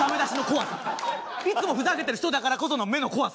いつもふざけてる人だからこその目の怖さ。